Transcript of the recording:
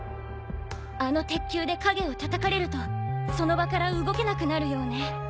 あの鉄球で影をたたかれるとその場から動けなくなるようね。